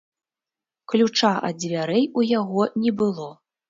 Ключа ад дзвярэй у яго не было.